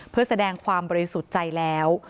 เพื่อแสดงความบริสุทธิ์ใจแล้ว